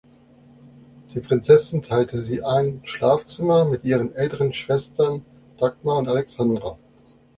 Die Prinzessin teilte sie ein Schlafzimmer mit ihren älteren Schwestern Dagmar und Alexandra.